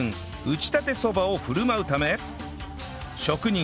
打ちたてそばを振る舞うため職人